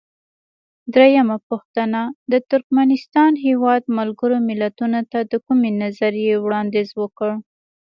درېمه پوښتنه: د ترکمنستان هیواد ملګرو ملتونو ته د کومې نظریې وړاندیز وکړ؟